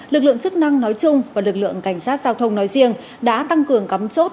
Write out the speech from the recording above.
lực lượng chức năng nói chung và lực lượng cảnh sát giao thông nói riêng đã tăng cường cắm chốt